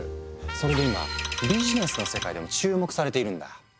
それで今ビジネスの世界でも注目されているんだ。